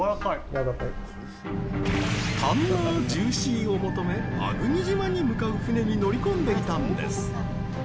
タンナージューシーを求め粟国島に向かう船に乗り込んでいたんです！